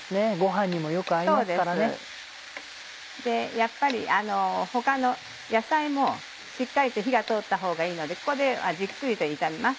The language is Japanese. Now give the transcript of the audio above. やっぱり他の野菜もしっかりと火が通ったほうがいいのでここでじっくりと炒めます。